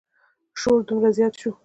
شور دومره زیات شو.